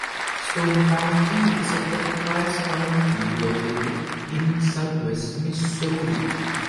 Stone County is a third-class county located in Southwest Missouri.